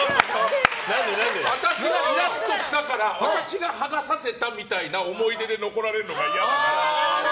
私がイラッとしたから私が剥がさせたみたいな思い出で残るのが嫌だと。